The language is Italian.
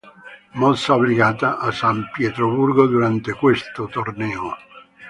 Mossa obbligata" a San Pietroburgo durante questo torneo.